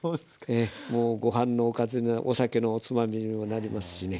ええもうご飯のおかずにお酒のおつまみにもなりますしね。